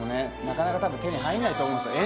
なかなか多分手に入んないと思うんすよ